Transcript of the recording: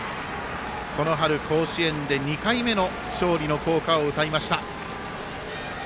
この春、甲子園で２回目の勝利の校歌を歌いました。